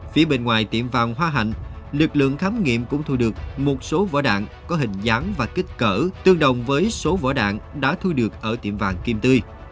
phía bên ngoài tiệm vàng hoa hạnh lực lượng khám nghiệm cũng thu được một số vỏ đạn có hình dáng và kích cỡ tương đồng với số vỏ đạn đã thu được ở tiệm vàng kim tươi